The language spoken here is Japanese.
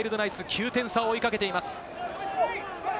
９点差を追いかけています。